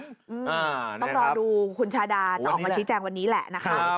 ต้องรอดูคุณชาดาจะออกมาชี้แจงวันนี้แหละนะคะ